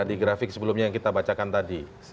di grafik sebelumnya yang kita bacakan tadi